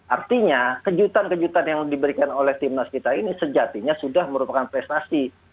artinya kejutan kejutan yang diberikan oleh timnas kita ini sejatinya sudah merupakan prestasi